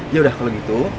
yaudah kalau gitu